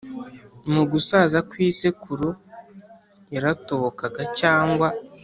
mu gusaza kw’isekuru yaratobokaga cyangwa